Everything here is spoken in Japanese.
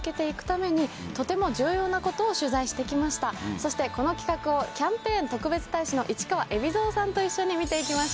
そしてこの企画をキャンペーン特別大使の市川海老蔵さんと一緒に見て行きましょう。